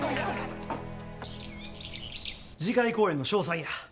次回公演の詳細や。